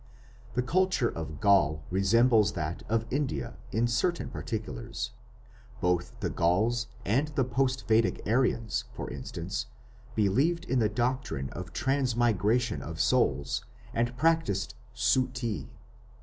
The culture of Gaul resembles that of India in certain particulars; both the Gauls and the post Vedic Aryans, for instance, believed in the doctrine of Transmigration of Souls, and practised "suttee".